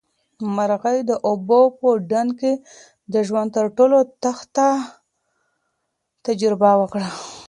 مرغۍ د اوبو په ډنډ کې د ژوند تر ټولو تخه تجربه وکړه.